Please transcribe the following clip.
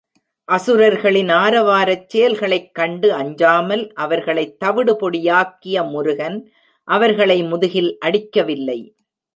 அசுரர்களின் ஆரவாரச் செயல்களைக் கண்டு அஞ்சாமல் அவர்களைத் தவிடு பொடியாக்கிய முருகன் அவர்களை முதுகில் அடிக்கவில்லை.